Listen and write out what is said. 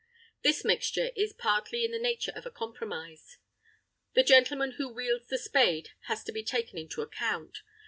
This mixture is partly in the nature of a compromise. The gentleman who wields the spade has to be taken into account.